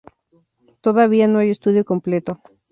Todavía no hay estudio completo.